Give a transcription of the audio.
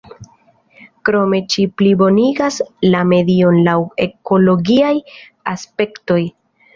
Krome ĝi plibonigas la medion laŭ ekologiaj aspektoj.